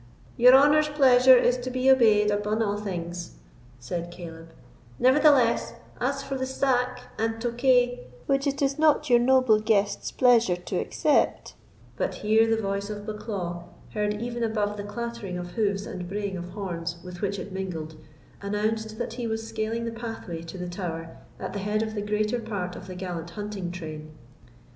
"Your honour's pleasure is to be obeyed aboon a' things," said Caleb; "nevertheless, as for the sack and tokay which it is not your noble guests' pleasure to accept——" But here the voice of Bucklaw, heard even above the clattering of hoofs and braying of horns with which it mingled, announced that he was scaling the pathway to the Tower at the head of the greater part of the gallant hunting train.